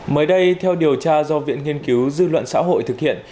mới đây theo điều tra do viện nghiên cứu dư luận xã hội thực hiện